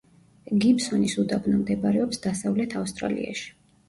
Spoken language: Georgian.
გიბსონის უდაბნო მდებარეობს დასავლეთ ავსტრალიაში.